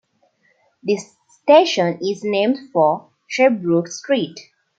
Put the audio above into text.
This station is named for Sherbrooke Street.